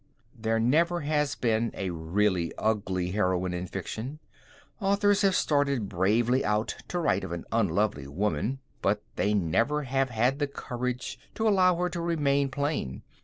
There never has been a really ugly heroine in fiction. Authors have started bravely out to write of an unlovely woman, but they never have had the courage to allow her to remain plain.